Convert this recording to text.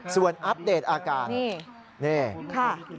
ส่วนอัปเดตอาการนี่ค่ะ